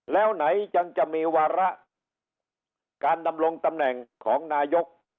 แล้วไหนจังจะมีวาระการดำรงตำแหน่งของนายก